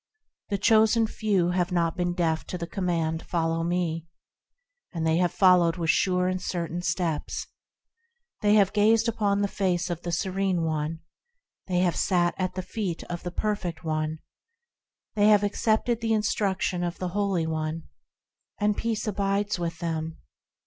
The Chosen Few have not been deaf to the command, "Follow Me", And they have followed with sure and certain steps. They have gazed upon the face of the Serene One ; They have sat at the feet of the Perfect One; They have accepted the instruction of the Holy One, And peace abides with them.